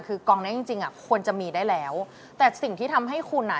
คือกองนั้นจริงควรจะมีได้แล้วแต่สิ่งที่ทำให้คุณ